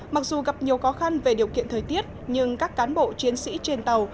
mặc dù gặp nhiều khó khăn về điều kiện thời tiết nhưng các cán bộ chiến sĩ trên tàu